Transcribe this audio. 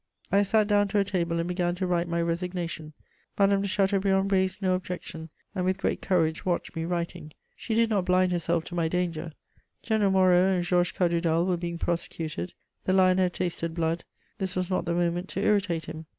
I sat down to a table and began to write my resignation. Madame de Chateaubriand raised no objection, and with great courage watched me writing. She did not blind herself to my danger: General Moreau and Georges Cadoudal were being prosecuted; the lion had tasted blood, this was not the moment to irritate him.